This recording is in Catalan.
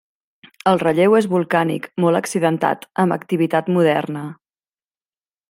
El relleu és volcànic, molt accidentat, amb activitat moderna.